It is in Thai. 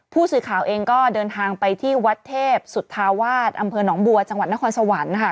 ผู้สื่อข่าวเองก็เดินทางไปที่วัดเทพสุธาวาสอำเภอหนองบัวจังหวัดนครสวรรค์ค่ะ